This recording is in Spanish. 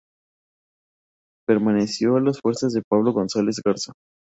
Permaneció a las fuerzas de Pablo González Garza.